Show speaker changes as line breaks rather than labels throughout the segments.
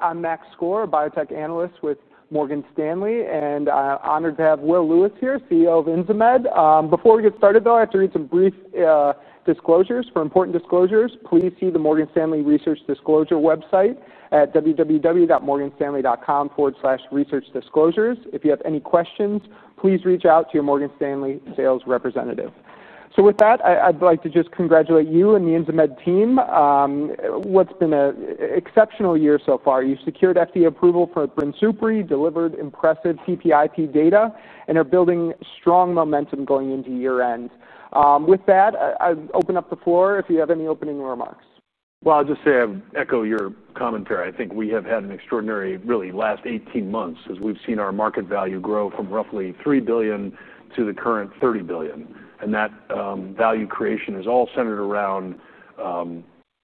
I'm Max Skor, a biotech analyst with Morgan Stanley, and I'm honored to have Will Lewis here, CEO of Insmed Incorporated. Before we get started, I have to read some brief disclosures. For important disclosures, please see the Morgan Stanley Research Disclosure website at www.morganstanley.com/researchdisclosures. If you have any questions, please reach out to your Morgan Stanley sales representative. With that, I'd like to just congratulate you and the Insmed team. It's been an exceptional year so far. You secured FDA approval for Bryn Supeyri, delivered impressive CPIP data, and are building strong momentum going into year-end. With that, I'll open up the floor if you have any opening remarks.
I'll just echo your commentary. I think we have had an extraordinary, really, last 18 months as we've seen our market value grow from roughly $3 billion to the current $30 billion. That value creation is all centered around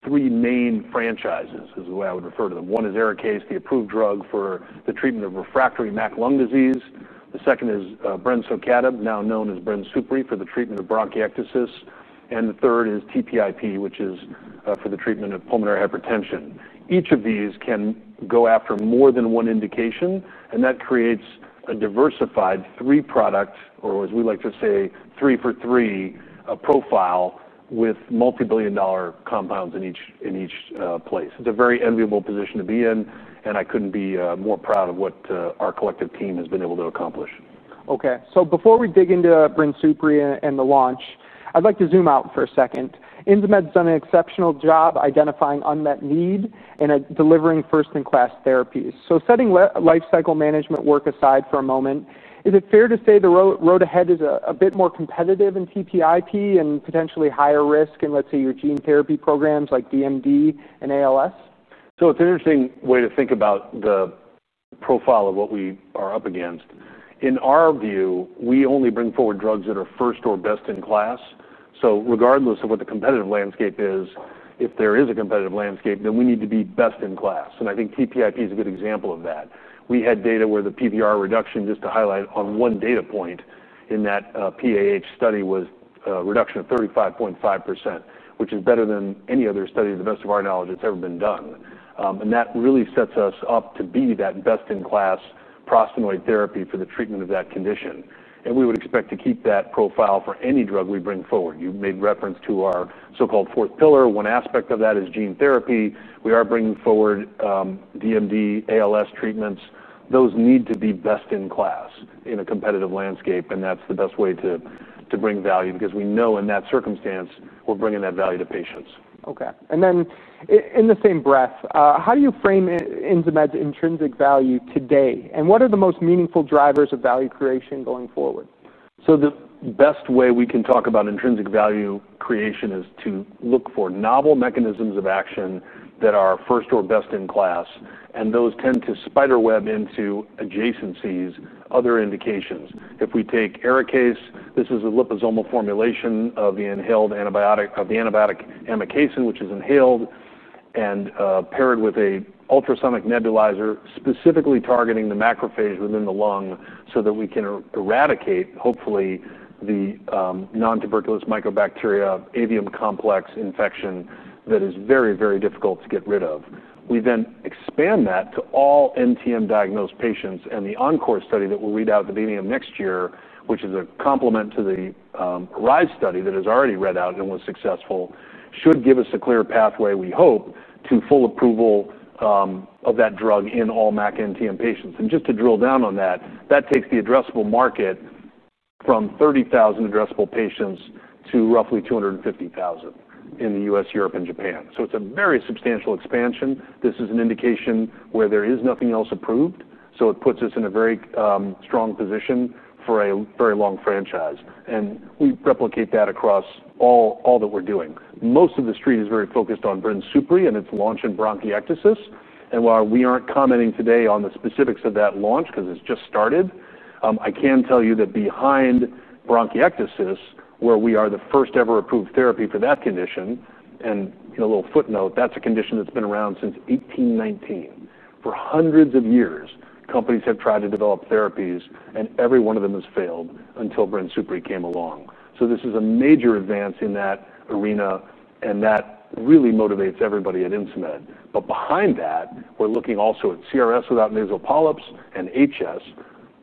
three main franchises, is the way I would refer to them. One is ARIKAYCE, the approved drug for the treatment of refractory Mycobacterium avium complex lung disease. The second is Brensocatib, now known as Bryn Supeyri, for the treatment of bronchiectasis. The third is TPIP, which is for the treatment of pulmonary hypertension. Each of these can go after more than one indication, and that creates a diversified three-product, or as we like to say, three for three, a profile with multi-billion dollar compounds in each place. It's a very enviable position to be in, and I couldn't be more proud of what our collective team has been able to accomplish.
OK. Before we dig into Bryn Supeyri and the launch, I'd like to zoom out for a second. Insmed's done an exceptional job identifying unmet need and delivering first-in-class therapies. Setting lifecycle management work aside for a moment, is it fair to say the road ahead is a bit more competitive in TPIP and potentially higher risk in, let's say, your gene therapy programs like DMD and ALS?
It's an interesting way to think about the profile of what we are up against. In our view, we only bring forward drugs that are first or best in class. Regardless of what the competitive landscape is, if there is a competitive landscape, then we need to be best in class. I think TPIP is a good example of that. We had data where the PVR reduction, just to highlight on one data point in that PAH study, was a reduction of 35.5%, which is better than any other study, to the best of our knowledge, that's ever been done. That really sets us up to be that best-in-class prostenoid therapy for the treatment of that condition. We would expect to keep that profile for any drug we bring forward. You made reference to our so-called fourth pillar. One aspect of that is gene therapy. We are bringing forward DMD, ALS treatments. Those need to be best in class in a competitive landscape, and that's the best way to bring value because we know in that circumstance we're bringing that value to patients.
OK. In the same breath, how do you frame Insmed's intrinsic value today? What are the most meaningful drivers of value creation going forward?
The best way we can talk about intrinsic value creation is to look for novel mechanisms of action that are first or best in class. Those tend to spiderweb into adjacencies, other indications. If we take ARIKAYCE, this is a liposomal formulation of the antibiotic amikacin, which is inhaled and paired with an ultrasonic nebulizer, specifically targeting the macrophage within the lung so that we can eradicate, hopefully, the non-tuberculous Mycobacterium avium complex infection that is very, very difficult to get rid of. We then expand that to all NTM diagnosed patients. The Encore study that we'll read out at the VMU next year, which is a complement to the RISE study that has already read out and was successful, should give us a clear pathway, we hope, to full approval of that drug in all MAC NTM patients. Just to drill down on that, that takes the addressable market from 30,000 addressable patients to roughly 250,000 in the U.S., Europe, and Japan. It is a very substantial expansion. This is an indication where there is nothing else approved. It puts us in a very strong position for a very long franchise. We replicate that across all that we're doing. Most of the Street is very focused on Bryn Supeyri and its launch in bronchiectasis. While we aren't commenting today on the specifics of that launch because it's just started, I can tell you that behind bronchiectasis, where we are the first ever approved therapy for that condition, and in a little footnote, that's a condition that's been around since 1819. For hundreds of years, companies have tried to develop therapies, and every one of them has failed until Bryn Supeyri came along. This is a major advance in that arena, and that really motivates everybody at Insmed. Behind that, we're looking also at CRS without nasal polyps and HS,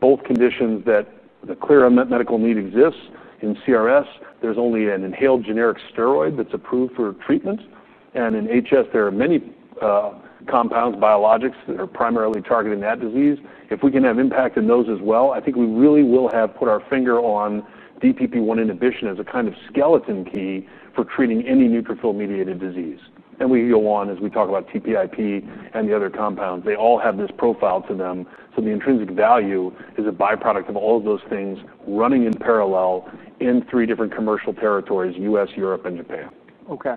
both conditions that the clear unmet medical need exists. In CRS, there's only an inhaled generic steroid that's approved for treatment. In HS, there are many compounds, biologics that are primarily targeting that disease. If we can have impact in those as well, I think we really will have put our finger on DPP-1 inhibition as a kind of skeleton key for treating any neutrophil-mediated disease. We can go on as we talk about TPIP and the other compounds. They all have this profile to them. The intrinsic value is a byproduct of all of those things running in parallel in three different commercial territories, U.S., Europe, and Japan.
OK.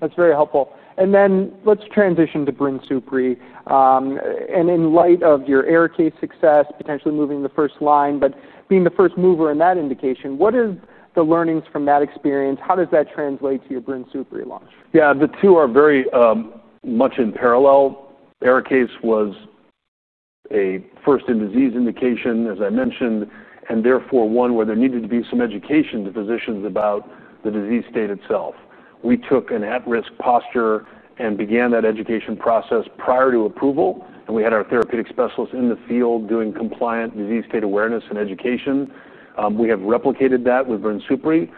That's very helpful. Let's transition to Bryn Supeyri. In light of your ARIKAYCE success, potentially moving to first line, but being the first mover in that indication, what are the learnings from that experience? How does that translate to your Bryn Supeyri launch?
Yeah, the two are very much in parallel. ARIKAYCE was a first-in-disease indication, as I mentioned, and therefore one where there needed to be some education to physicians about the disease state itself. We took an at-risk posture and began that education process prior to approval. We had our therapeutic specialists in the field doing compliant disease state awareness and education. We have replicated that with Bryn Supeyri.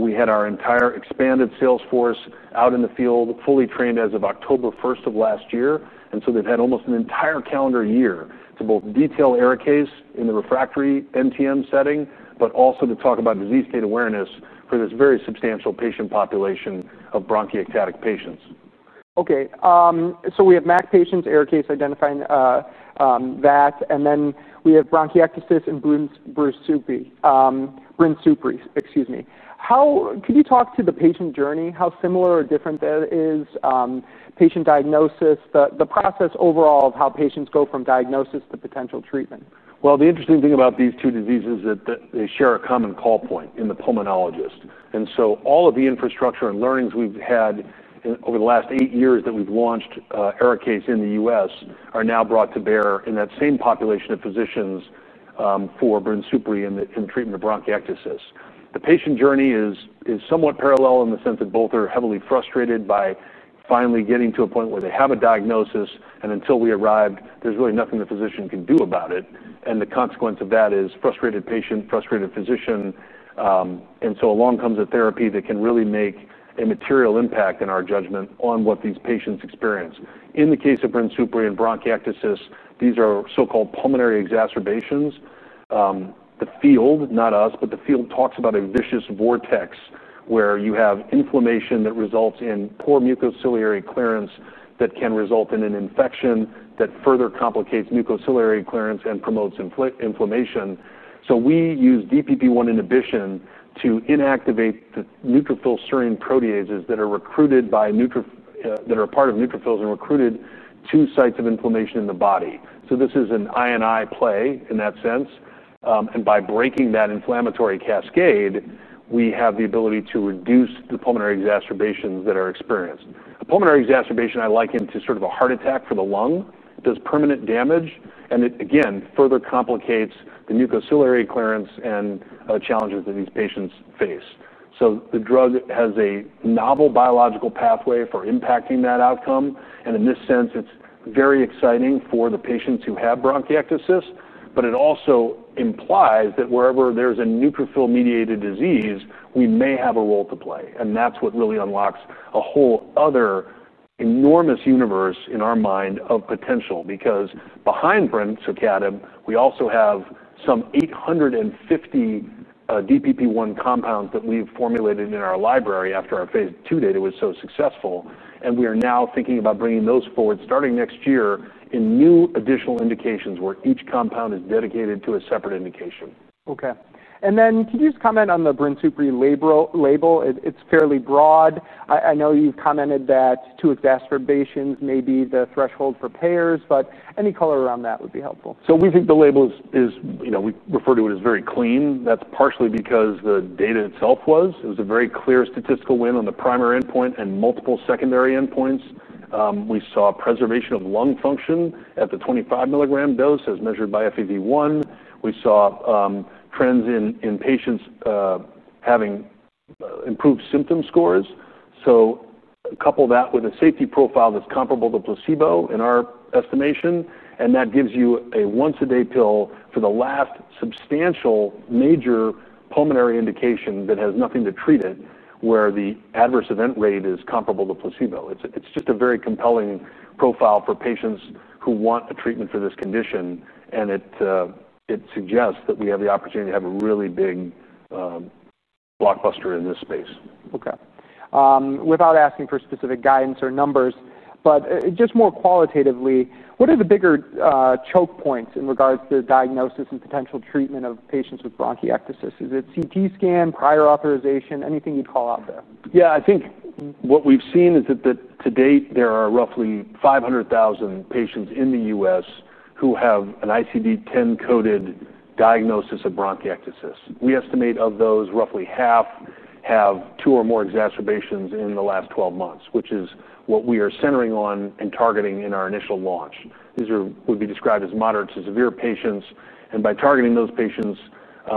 We had our entire expanded sales force out in the field fully trained as of October 1 of last year, and they've had almost an entire calendar year to both detail ARIKAYCE in the refractory NTM setting, but also to talk about disease state awareness for this very substantial patient population of bronchiectatic patients.
OK. We have MAC patients, ARIKAYCE identifying that, and then we have bronchiectasis in Bryn Supeyri. Excuse me. Can you talk to the patient journey, how similar or different that is, patient diagnosis, the process overall of how patients go from diagnosis to potential treatment?
The interesting thing about these two diseases is that they share a common call point in the pulmonologist. All of the infrastructure and learnings we've had over the last eight years that we've launched ARIKAYCE in the U.S. are now brought to bear in that same population of physicians for Bryn Supeyri in treatment of bronchiectasis. The patient journey is somewhat parallel in the sense that both are heavily frustrated by finally getting to a point where they have a diagnosis. Until we arrived, there's really nothing the physician can do about it. The consequence of that is frustrated patient, frustrated physician. Along comes a therapy that can really make a material impact on our judgment on what these patients experience. In the case of Bryn Supeyri and bronchiectasis, these are so-called pulmonary exacerbations. The field, not us, but the field talks about a vicious vortex where you have inflammation that results in poor mucociliary clearance that can result in an infection that further complicates mucociliary clearance and promotes inflammation. We use DPP-1 inhibition to inactivate the neutrophil serine proteases that are part of neutrophils and recruited to sites of inflammation in the body. This is an INI play in that sense. By breaking that inflammatory cascade, we have the ability to reduce the pulmonary exacerbations that are experienced. Pulmonary exacerbation, I liken to sort of a heart attack for the lung, does permanent damage. It, again, further complicates the mucociliary clearance and challenges that these patients face. The drug has a novel biological pathway for impacting that outcome. In this sense, it's very exciting for the patients who have bronchiectasis. It also implies that wherever there's a neutrophil-mediated disease, we may have a role to play. That's what really unlocks a whole other enormous universe in our mind of potential because behind Bryn Supeyri, we also have some 850 DPP-1 compounds that we've formulated in our library after our phase two data was so successful. We are now thinking about bringing those forward starting next year in new additional indications where each compound is dedicated to a separate indication.
OK. Could you just comment on the Bryn Supeyri label? It's fairly broad. I know you've commented that two exacerbations may be the threshold for payers, but any color around that would be helpful.
We think the label is, you know, we refer to it as very clean. That's partially because the data itself was. It was a very clear statistical win on the primary endpoint and multiple secondary endpoints. We saw preservation of lung function at the 25 milligram dose as measured by FEV1. We saw trends in patients having improved symptom scores. Couple that with a safety profile that's comparable to placebo in our estimation, and that gives you a once-a-day pill for the last substantial major pulmonary indication that has nothing to treat it where the adverse event rate is comparable to placebo. It's just a very compelling profile for patients who want a treatment for this condition. It suggests that we have the opportunity to have a really big blockbuster in this space.
OK. Without asking for specific guidance or numbers, but just more qualitatively, what are the bigger choke points in regards to the diagnosis and potential treatment of patients with bronchiectasis? Is it CT scan, prior authorization, anything you'd call out there?
Yeah, I think what we've seen is that to date there are roughly 500,000 patients in the U.S. who have an ICD-10 coded diagnosis of bronchiectasis. We estimate of those, roughly half have two or more exacerbations in the last 12 months, which is what we are centering on and targeting in our initial launch. These would be described as moderate to severe patients. By targeting those patients,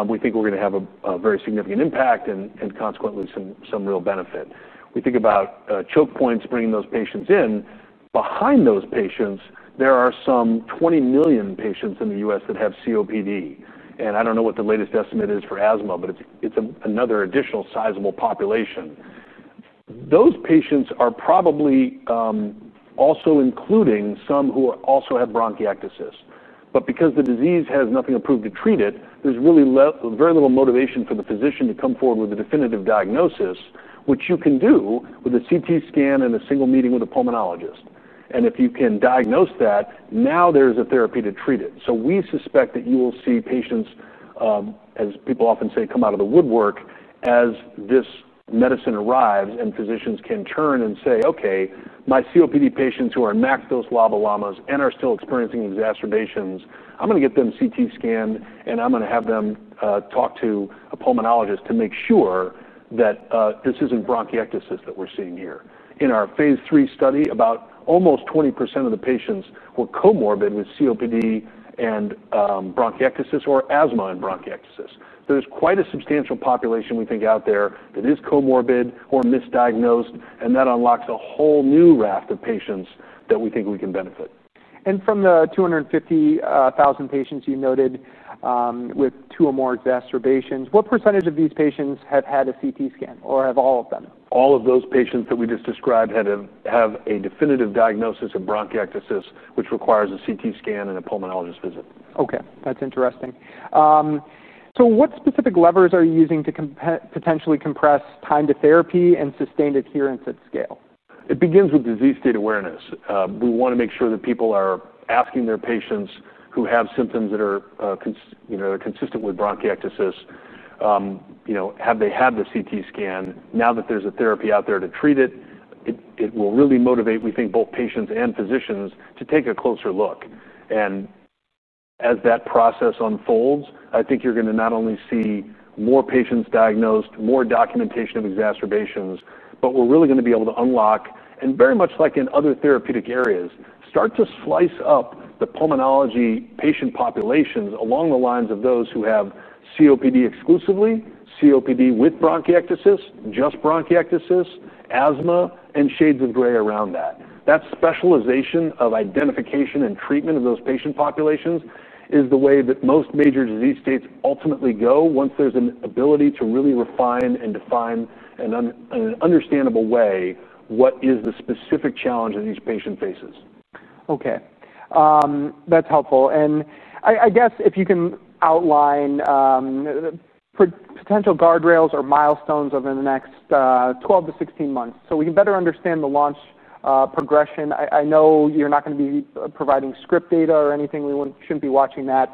we think we're going to have a very significant impact and consequently some real benefit. We think about choke points bringing those patients in. Behind those patients, there are some 20 million patients in the U.S. that have COPD. I don't know what the latest estimate is for asthma, but it's another additional sizable population. Those patients are probably also including some who also have bronchiectasis. Because the disease has nothing approved to treat it, there's really very little motivation for the physician to come forward with a definitive diagnosis, which you can do with a CT scan and a single meeting with a pulmonologist. If you can diagnose that, now there's a therapy to treat it. We suspect that you will see patients, as people often say, come out of the woodwork as this medicine arrives and physicians can turn and say, OK, my COPD patients who are in max dose lavalamas and are still experiencing exacerbations, I'm going to get them CT scanned, and I'm going to have them talk to a pulmonologist to make sure that this isn't bronchiectasis that we're seeing here. In our phase three study, about almost 20% of the patients were comorbid with COPD and bronchiectasis or asthma and bronchiectasis. There's quite a substantial population, we think, out there that is comorbid or misdiagnosed. That unlocks a whole new raft of patients that we think we can benefit.
From the 250,000 patients you noted with two or more exacerbations, what % of these patients have had a CT scan or have all of them?
All of those patients that we just described have a definitive diagnosis of bronchiectasis, which requires a CT scan and a pulmonologist visit.
OK. That's interesting. What specific levers are you using to potentially compress time to therapy and sustained adherence at scale?
It begins with disease state awareness. We want to make sure that people are asking their patients who have symptoms that are consistent with bronchiectasis, have they had the CT scan. Now that there's a therapy out there to treat it, it will really motivate, we think, both patients and physicians to take a closer look. As that process unfolds, I think you're going to not only see more patients diagnosed, more documentation of exacerbations, but we're really going to be able to unlock, and very much like in other therapeutic areas, start to slice up the pulmonology patient populations along the lines of those who have COPD exclusively, COPD with bronchiectasis, just bronchiectasis, asthma, and shades of gray around that. That specialization of identification and treatment of those patient populations is the way that most major disease states ultimately go once there's an ability to really refine and define in an understandable way what is the specific challenge that each patient faces.
OK. That's helpful. If you can outline potential guardrails or milestones over the next 12 to 16 months so we can better understand the launch progression, I know you're not going to be providing script data or anything. We shouldn't be watching that.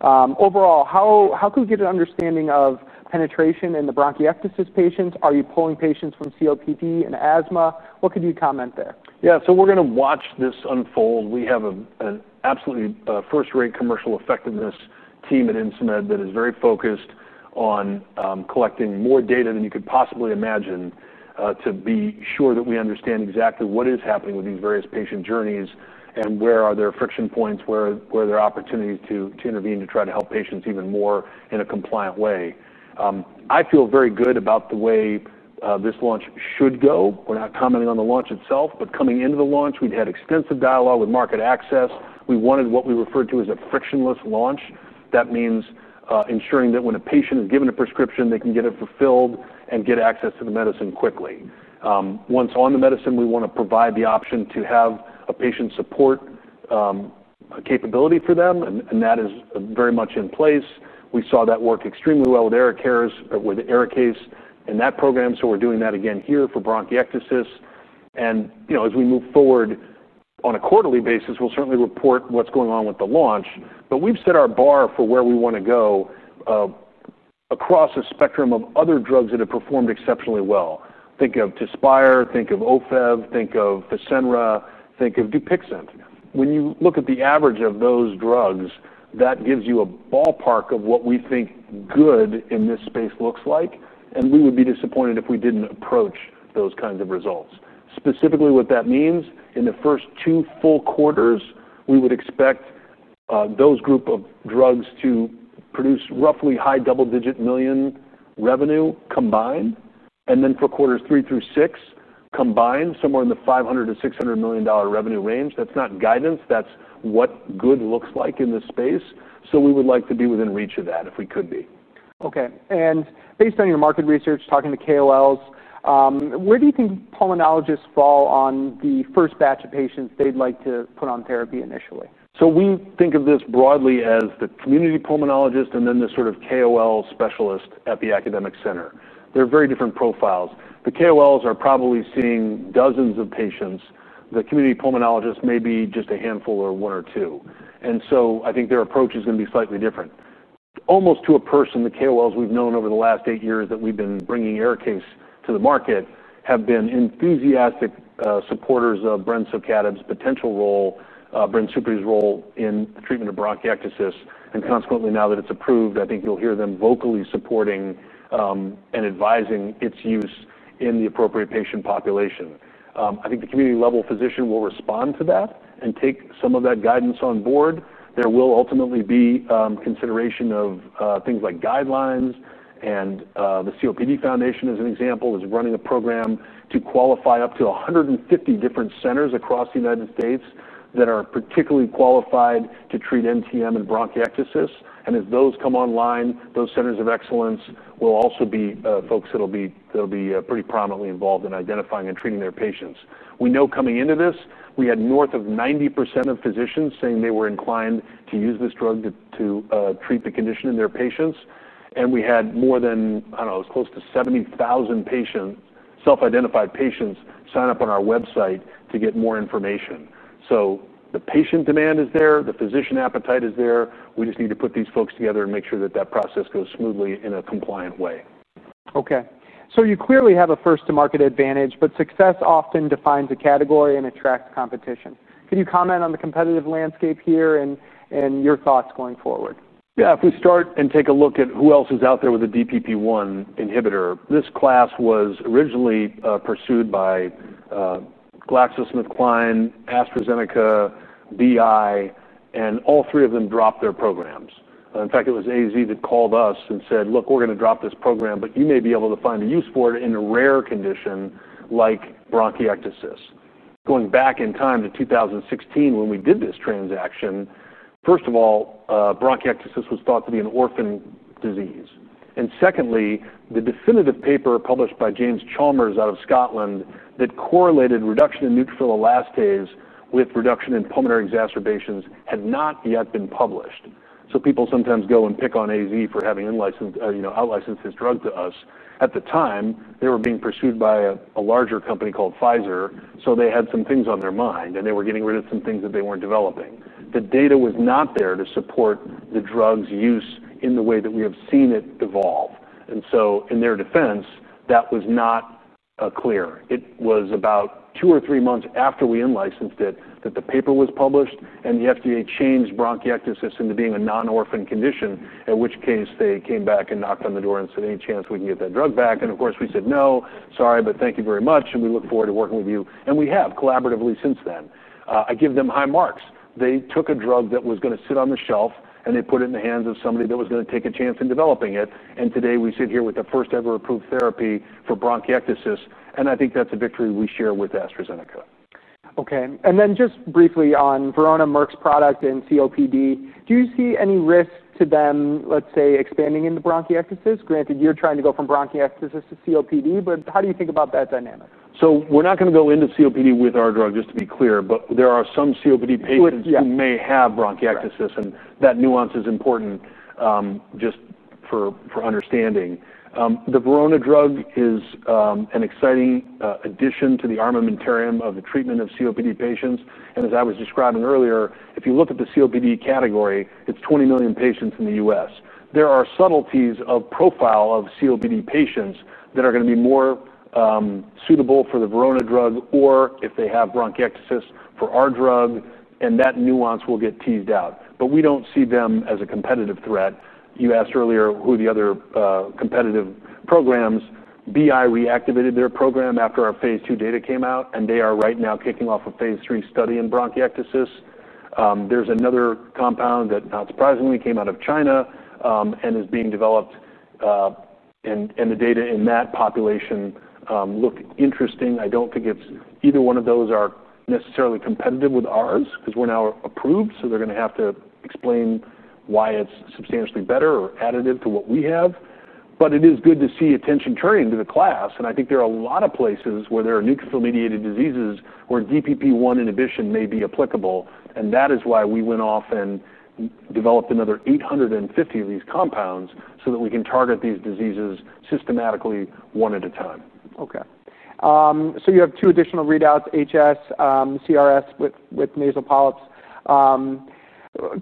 Overall, how can we get an understanding of penetration in the bronchiectasis patients? Are you pulling patients from COPD and asthma? What could you comment there?
Yeah, so we're going to watch this unfold. We have an absolutely first-rate commercial effectiveness team at Insmed that is very focused on collecting more data than you could possibly imagine to be sure that we understand exactly what is happening with these various patient journeys and where are their friction points, where are their opportunities to intervene to try to help patients even more in a compliant way. I feel very good about the way this launch should go. We're not commenting on the launch itself, but coming into the launch, we'd had extensive dialogue with market access. We wanted what we referred to as a frictionless launch. That means ensuring that when a patient is given a prescription, they can get it fulfilled and get access to the medicine quickly. Once on the medicine, we want to provide the option to have a patient support capability for them. That is very much in place. We saw that work extremely well with ARIKAYCE and that program. We're doing that again here for bronchiectasis. As we move forward on a quarterly basis, we'll certainly report what's going on with the launch. We've set our bar for where we want to go across a spectrum of other drugs that have performed exceptionally well. Think of Tezspire, think of Ofev, think of Fasenra, think of Dupixent. When you look at the average of those drugs, that gives you a ballpark of what we think good in this space looks like. We would be disappointed if we didn't approach those kinds of results. Specifically, what that means, in the first two full quarters, we would expect those group of drugs to produce roughly high double-digit million revenue combined. For quarters three through six, combined somewhere in the $500 to $600 million revenue range. That's not guidance. That's what good looks like in this space. We would like to be within reach of that if we could be.
OK. Based on your market research, talking to KOLs, where do you think pulmonologists fall on the first batch of patients they'd like to put on therapy initially?
We think of this broadly as the community pulmonologist and then the sort of KOL specialist at the academic center. They're very different profiles. The KOLs are probably seeing dozens of patients. The community pulmonologists may be just a handful or one or two. I think their approach is going to be slightly different. Almost to a person, the KOLs we've known over the last eight years that we've been bringing ARIKAYCE to the market have been enthusiastic supporters of Bryn Supeyri's potential role, Bryn Supeyri's role in the treatment of bronchiectasis. Consequently, now that it's approved, I think you'll hear them vocally supporting and advising its use in the appropriate patient population. I think the community-level physician will respond to that and take some of that guidance on board. There will ultimately be consideration of things like guidelines. The COPD Foundation, as an example, is running a program to qualify up to 150 different centers across the United States that are particularly qualified to treat NTM and bronchiectasis. As those come online, those centers of excellence will also be folks that'll be pretty prominently involved in identifying and treating their patients. We know coming into this, we had north of 90% of physicians saying they were inclined to use this drug to treat the condition in their patients. We had more than, I don't know, it was close to 70,000 self-identified patients sign up on our website to get more information. The patient demand is there. The physician appetite is there. We just need to put these folks together and make sure that that process goes smoothly in a compliant way.
You clearly have a first-to-market advantage, but success often defines a category and attracts competition. Can you comment on the competitive landscape here and your thoughts going forward?
Yeah, if we start and take a look at who else is out there with a DPP-1 inhibitor, this class was originally pursued by GlaxoSmithKline, AstraZeneca, BI, and all three of them dropped their programs. In fact, it was AstraZeneca that called us and said, look, we're going to drop this program, but you may be able to find a use for it in a rare condition like bronchiectasis. Going back in time to 2016 when we did this transaction, first of all, bronchiectasis was thought to be an orphan disease. Secondly, the definitive paper published by James Chalmers out of Scotland that correlated reduction in neutrophil elastase with reduction in pulmonary exacerbations had not yet been published. People sometimes go and pick on AstraZeneca for having outlicensed this drug to us. At the time, they were being pursued by a larger company called Pfizer. They had some things on their mind, and they were getting rid of some things that they weren't developing. The data was not there to support the drug's use in the way that we have seen it evolve. In their defense, that was not clear. It was about two or three months after we enlicensed it that the paper was published, and the FDA changed bronchiectasis into being a non-orphan condition, in which case they came back and knocked on the door and said, any chance we can get that drug back? Of course, we said, no, sorry, but thank you very much. We look forward to working with you, and we have collaboratively since then. I give them high marks. They took a drug that was going to sit on the shelf, and they put it in the hands of somebody that was going to take a chance in developing it. Today, we sit here with the first ever approved therapy for bronchiectasis. I think that's a victory we share with AstraZeneca.
OK. Just briefly on Verona, Merck's product and COPD, do you see any risk to them, let's say, expanding into bronchiectasis? Granted, you're trying to go from bronchiectasis to COPD, but how do you think about that dynamic?
We're not going to go into COPD with our drug, just to be clear. There are some COPD patients who may have bronchiectasis, and that nuance is important just for understanding. The Verona drug is an exciting addition to the armamentarium of the treatment of COPD patients. As I was describing earlier, if you look at the COPD category, it's 20 million patients in the U.S. There are subtleties of profile of COPD patients that are going to be more suitable for the Verona drug or, if they have bronchiectasis, for our drug. That nuance will get teased out. We don't see them as a competitive threat. You asked earlier who the other competitive programs are. BI reactivated their program after our phase two data came out, and they are right now kicking off a phase three study in bronchiectasis. There's another compound that, not surprisingly, came out of China and is being developed. The data in that population look interesting. I don't think either one of those are necessarily competitive with ours because we're now approved. They're going to have to explain why it's substantially better or additive to what we have. It is good to see attention turned to the class. I think there are a lot of places where there are neutrophil-mediated diseases where DPP-1 inhibition may be applicable. That is why we went off and developed another 850 of these compounds so that we can target these diseases systematically, one at a time.
OK. You have two additional readouts, HS, CRS without nasal polyps.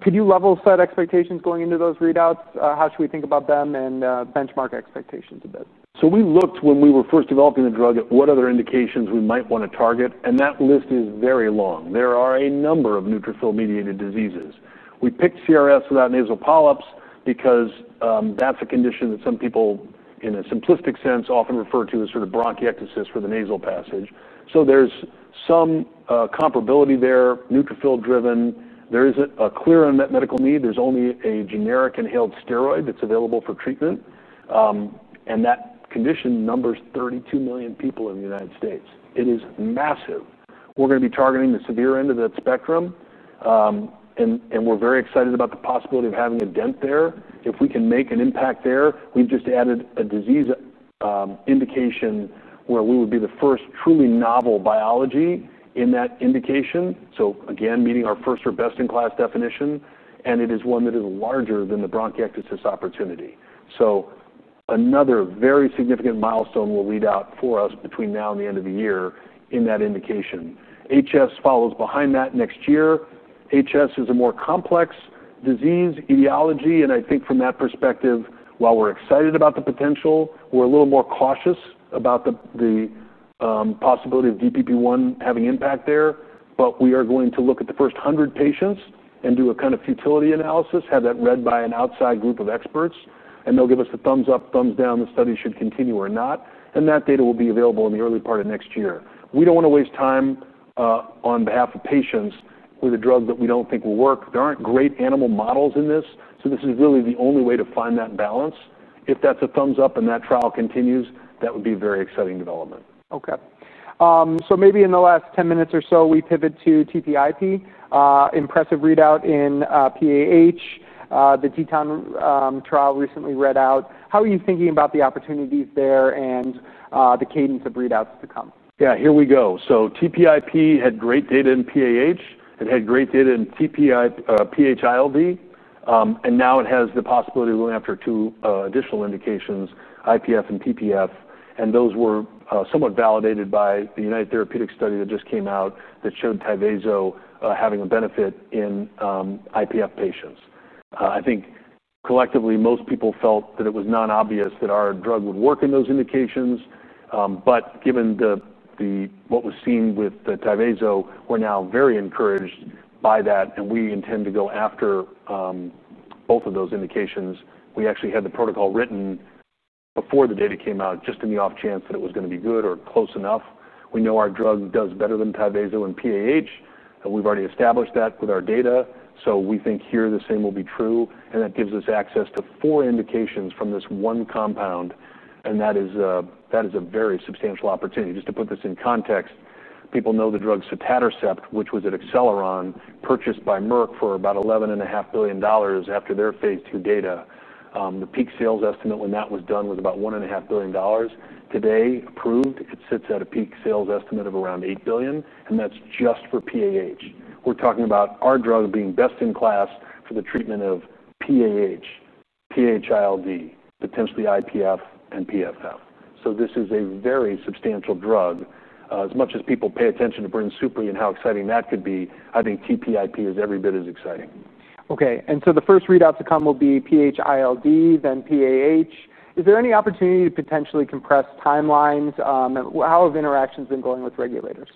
Could you level set expectations going into those readouts? How should we think about them and benchmark expectations a bit?
We looked, when we were first developing the drug, at what other indications we might want to target. That list is very long. There are a number of neutrophil-mediated diseases. We picked CRS without nasal polyps because that's a condition that some people, in a simplistic sense, often refer to as sort of bronchiectasis for the nasal passage. There's some comparability there, neutrophil-driven. There isn't a clear unmet medical need. There's only a generic inhaled steroid that's available for treatment. That condition numbers 32 million people in the United States. It is massive. We're going to be targeting the severe end of that spectrum, and we're very excited about the possibility of having a dent there. If we can make an impact there, we've just added a disease indication where we would be the first truly novel biology in that indication, meeting our first or best-in-class definition. It is one that is larger than the bronchiectasis opportunity. Another very significant milestone will lead out for us between now and the end of the year in that indication. HS follows behind that next year. HS is a more complex disease etiology, and I think from that perspective, while we're excited about the potential, we're a little more cautious about the possibility of DPP-1 having impact there. We are going to look at the first 100 patients and do a kind of futility analysis, have that read by an outside group of experts, and they'll give us a thumbs up, thumbs down, the study should continue or not. That data will be available in the early part of next year. We don't want to waste time on behalf of patients with a drug that we don't think will work. There aren't great animal models in this, so this is really the only way to find that balance. If that's a thumbs up and that trial continues, that would be a very exciting development.
OK. Maybe in the last 10 minutes or so, we pivot to TPIP. Impressive readout in PAH. The Teton trial recently read out. How are you thinking about the opportunities there and the cadence of readouts to come?
Yeah, here we go. TPIP had great data in PAH. It had great data in PH-ILD. Now it has the possibility of going after two additional indications, IPF and PPF. Those were somewhat validated by the United Therapeutics study that just came out that showed Tyvaso having a benefit in IPF patients. I think collectively, most people felt that it was non-obvious that our drug would work in those indications. Given what was seen with the Tyvaso, we're now very encouraged by that. We intend to go after both of those indications. We actually had the protocol written before the data came out, just in the off chance that it was going to be good or close enough. We know our drug does better than Tyvaso in PAH. We've already established that with our data. We think here the same will be true. That gives us access to four indications from this one compound. That is a very substantial opportunity. Just to put this in context, people know the drug sotatercept, which was at Acceleron, purchased by Merck for about $11.5 billion after their phase two data. The peak sales estimate when that was done was about $1.5 billion. Today, approved, it sits at a peak sales estimate of around $8 billion. That's just for PAH. We're talking about our drug being best-in-class for the treatment of PAH, PH-ILD, potentially IPF, and PPF. This is a very substantial drug. As much as people pay attention to Bryn Supeyri and how exciting that could be, I think TPIP is every bit as exciting.
OK. The first readouts to come will be PH-ILD, then PAH. Is there any opportunity to potentially compress timelines? How have interactions been going with regulators?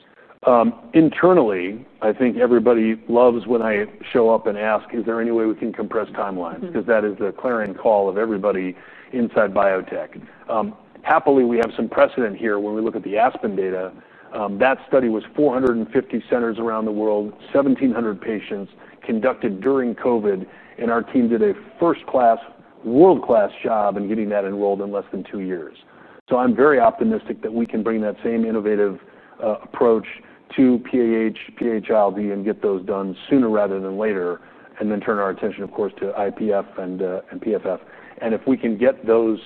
Internally, I think everybody loves when I show up and ask, is there any way we can compress timelines? That is the clarion call of everybody inside biotech. Happily, we have some precedent here when we look at the Aspen data. That study was 450 centers around the world, 1,700 patients conducted during COVID. Our team did a first-class, world-class job in getting that enrolled in less than two years. I am very optimistic that we can bring that same innovative approach to PAH, PH-ILD, and get those done sooner rather than later, then turn our attention, of course, to IPF and PFF. If we can get those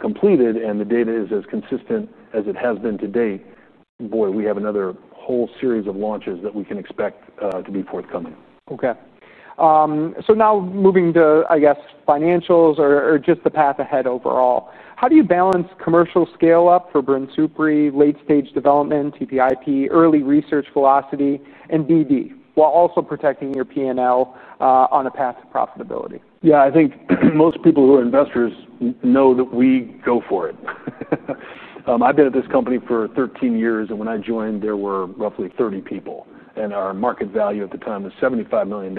completed and the data is as consistent as it has been to date, boy, we have another whole series of launches that we can expect to be forthcoming.
OK. Now moving to, I guess, financials or just the path ahead overall, how do you balance commercial scale-up for Bryn Supeyri, late-stage development, TPIP, early research velocity, and BD while also protecting your P&L on a path to profitability?
Yeah, I think most people who are investors know that we go for it. I've been at this company for 13 years. When I joined, there were roughly 30 people, and our market value at the time was $75 million.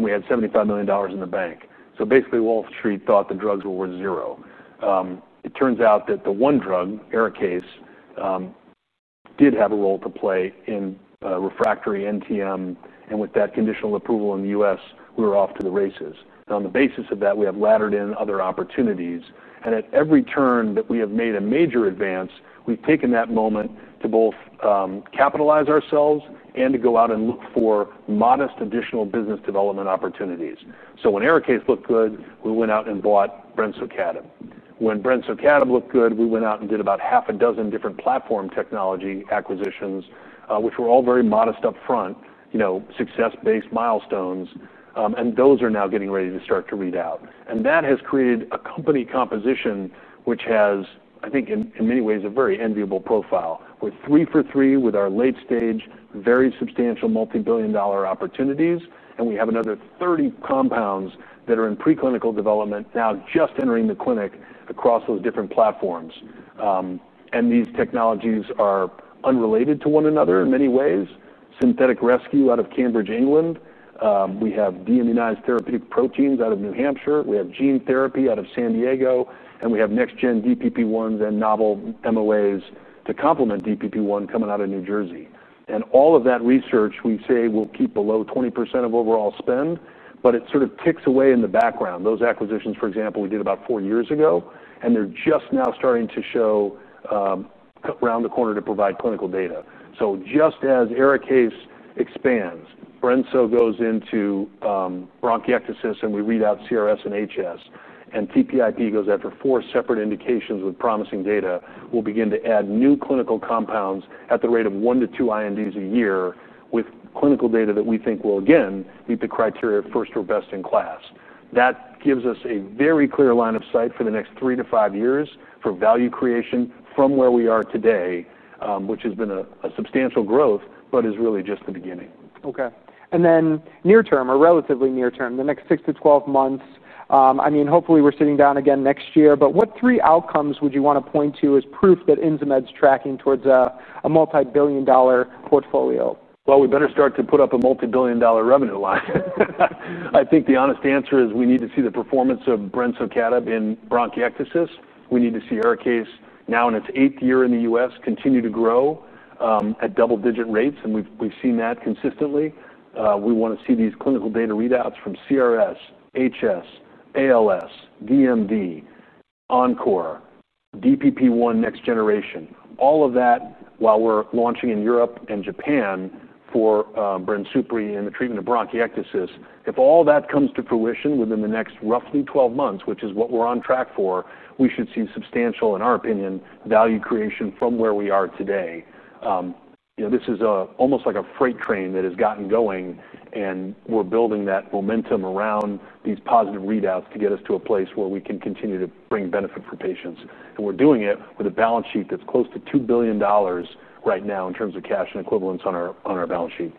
We had $75 million in the bank. Basically, Wall Street thought the drugs were worth zero. It turns out that the one drug, ARIKAYCE, did have a role to play in refractory NTM. With that conditional approval in the U.S., we were off to the races. On the basis of that, we have laddered in other opportunities. At every turn that we have made a major advance, we've taken that moment to both capitalize ourselves and to go out and look for modest additional business development opportunities. When ARIKAYCE looked good, we went out and bought Brensocatib. When Brensocatib looked good, we went out and did about half a dozen different platform technology acquisitions, which were all very modest upfront, success-based milestones. Those are now getting ready to start to read out. That has created a company composition which has, I think, in many ways, a very enviable profile. We're three for three with our late-stage, very substantial multi-billion dollar opportunities. We have another 30 compounds that are in preclinical development now just entering the clinic across those different platforms. These technologies are unrelated to one another in many ways. Synthetic rescue out of Cambridge, England. We have DNA-therapeutic proteins out of New Hampshire. We have gene therapy out of San Diego. We have next-gen DPP-1 and novel MOAs to complement DPP-1 coming out of New Jersey. All of that research we say will keep below 20% of overall spend, but it sort of ticks away in the background. Those acquisitions, for example, we did about four years ago, and they're just now starting to round the corner to provide clinical data. Just as ARIKAYCE expands, Brensocatib goes into bronchiectasis, and we read out CRS and HS, TPIP goes after four separate indications with promising data. We'll begin to add new clinical compounds at the rate of one to two INDs a year with clinical data that we think will, again, meet the criteria of first or best-in-class. That gives us a very clear line of sight for the next three to five years for value creation from where we are today, which has been a substantial growth, but is really just the beginning.
OK. In the near term, or relatively near term, the next 6 to 12 months, I mean, hopefully, we're sitting down again next year. What three outcomes would you want to point to as proof that Insmed's tracking towards a multi-billion dollar portfolio?
We better start to put up a multi-billion dollar revenue line. I think the honest answer is we need to see the performance of Bryn Supeyri in bronchiectasis. We need to see ARIKAYCE, now in its eighth year in the U.S., continue to grow at double-digit rates. We've seen that consistently. We want to see these clinical data readouts from CRS, HS, ALS, DMD, Encore, DPP-1 next generation, all of that while we're launching in Europe and Japan for Bryn Supeyri in the treatment of bronchiectasis. If all that comes to fruition within the next roughly 12 months, which is what we're on track for, we should see substantial, in our opinion, value creation from where we are today. This is almost like a freight train that has gotten going, and we're building that momentum around these positive readouts to get us to a place where we can continue to bring benefit for patients. We're doing it with a balance sheet that's close to $2 billion right now in terms of cash and equivalents on our balance sheet.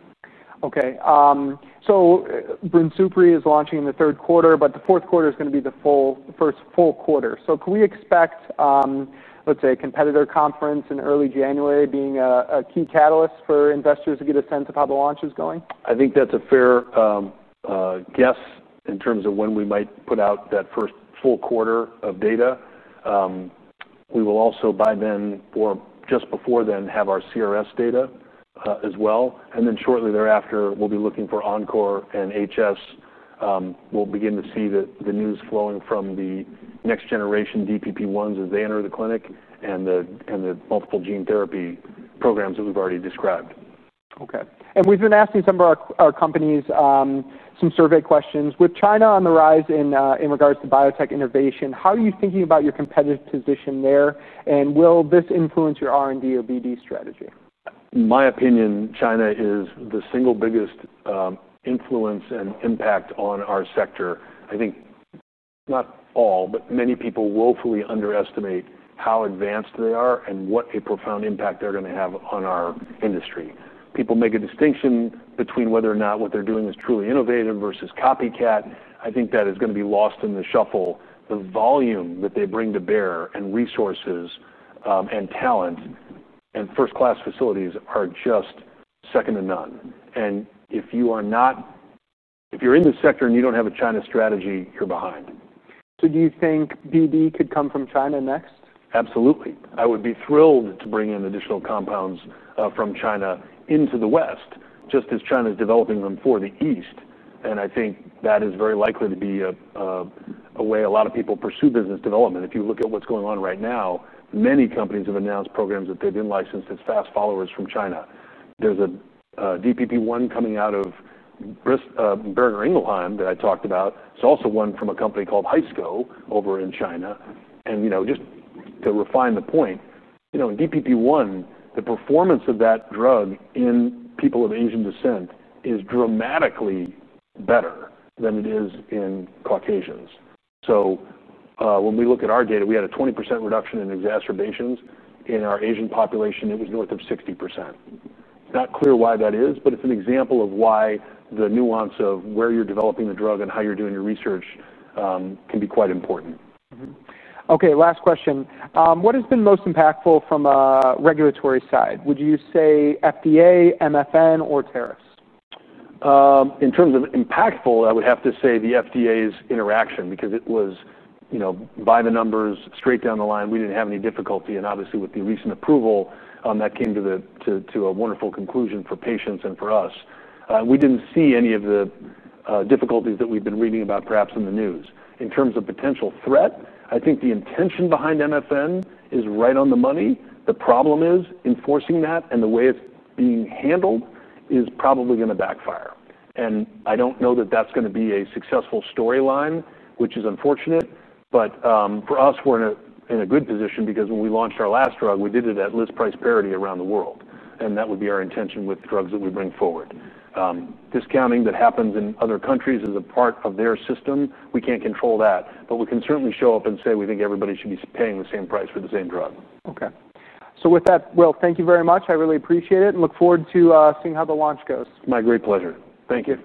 Bryn Supeyri is launching in the third quarter, but the fourth quarter is going to be the first full quarter. Can we expect, let's say, a competitor conference in early January being a key catalyst for investors to get a sense of how the launch is going?
I think that's a fair guess in terms of when we might put out that first full quarter of data. We will also, by then or just before then, have our CRS data as well. Shortly thereafter, we'll be looking for Encore and HS. We'll begin to see the news flowing from the next-generation DPP-1 inhibitors as they enter the clinic and the multiple gene therapy programs that we've already described.
OK. We've been asking some of our companies some survey questions. With China on the rise in regards to biotech innovation, how are you thinking about your competitive position there? Will this influence your R&D or BD strategy?
In my opinion, China is the single biggest influence and impact on our sector. I think not all, but many people willfully underestimate how advanced they are and what a profound impact they're going to have on our industry. People make a distinction between whether or not what they're doing is truly innovative versus copycat. I think that is going to be lost in the shuffle. The volume that they bring to bear, resources, talent, and first-class facilities are just second to none. If you're in this sector and you don't have a China strategy, you're behind.
Do you think BD could come from China next?
Absolutely. I would be thrilled to bring in additional compounds from China into the West, just as China is developing them for the East. I think that is very likely to be a way a lot of people pursue business development. If you look at what's going on right now, many companies have announced programs that they've in-licensed as fast followers from China. There's a DPP-1 coming out of BI that I talked about. There's also one from a company called Hysco over in China. Just to refine the point, in DPP-1, the performance of that drug in people of Asian descent is dramatically better than it is in Caucasians. When we look at our data, we had a 20% reduction in exacerbations. In our Asian population, it was north of 60%. Not clear why that is, but it's an example of why the nuance of where you're developing the drug and how you're doing your research can be quite important.
OK. Last question. What has been most impactful from a regulatory side? Would you say FDA, MFN, or tariffs?
In terms of impactful, I would have to say the FDA's interaction because it was, you know, by the numbers, straight down the line. We didn't have any difficulty. Obviously, with the recent approval, that came to a wonderful conclusion for patients and for us. We didn't see any of the difficulties that we've been reading about perhaps in the news. In terms of potential threat, I think the intention behind MFN is right on the money. The problem is enforcing that and the way it's being handled is probably going to backfire. I don't know that that's going to be a successful storyline, which is unfortunate. For us, we're in a good position because when we launched our last drug, we did it at list price parity around the world. That would be our intention with drugs that we bring forward. Discounting that happens in other countries is a part of their system. We can't control that. We can certainly show up and say we think everybody should be paying the same price for the same drug.
OK. With that, Will, thank you very much. I really appreciate it and look forward to seeing how the launch goes.
My great pleasure. Thank you.